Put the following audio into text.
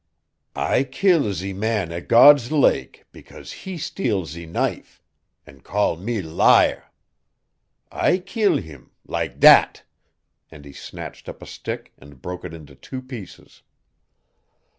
"I keel ze man at God's Lake because he steal ze knife an' call me lie. I keel heem lak that!" and he snatched up a stick and broke it into two pieces.